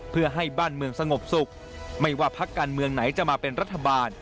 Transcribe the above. เพื่อให้บ้านเมืองสงบสุขไม่ว่าพักการเมืองไหนจะมาเป็นรัฐบาล